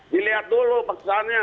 dilihat dulu perkesannya